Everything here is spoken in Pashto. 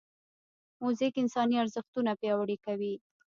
موزیک انساني ارزښتونه پیاوړي کوي.